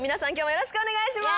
よろしくお願いします。